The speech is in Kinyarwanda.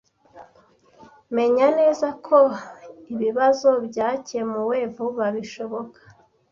Menya neza ko ibibazo byakemuwe vuba bishoboka.